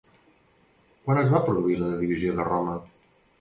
Quan es va produir la divisió de Roma?